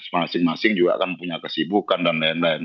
masing masing juga kan punya kesibukan dan lain lain